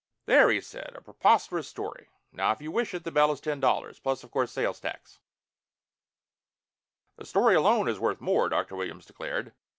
"There," he said. "A preposterous story. Now if you wish it, the bell is ten dollars. Plus, of course, sales tax." "The story alone is worth more," Dr. Williams declared.